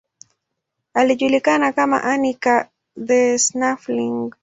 Alijulikana kama Anica the Snuffling.